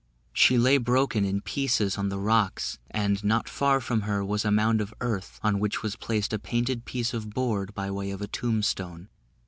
She lay broken in pieces on the rocks; and, not far from her, was a mound of earth, on which was placed a painted piece of board by way of a tombstone.